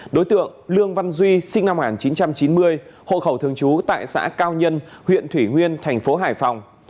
đối tượng lương văn duy sinh năm một nghìn chín trăm chín mươi hộ khẩu thường trú tại xã cao nhân huyện thủy nguyên thành phố hải phòng